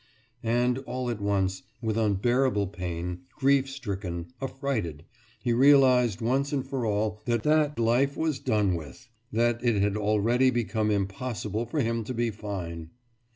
And, all at once, with unbearable pain, grief stricken, affrighted, he realized once and for all that that life was done with, that it had already become impossible for him to be fine!